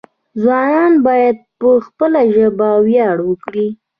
ځوانان باید په خپله ژبه ویاړ وکړي.